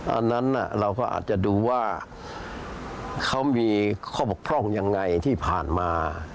อันนั้นเราก็อาจจะดูว่าเขามีข้อบกพร่องยังไงที่ผ่านมา